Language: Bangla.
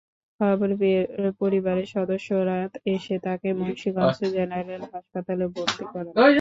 খবর পেয়ে পরিবারের সদস্যরা এসে তাকে মুন্সিগঞ্জ জেনারেল হাসপাতালে ভর্তি করান।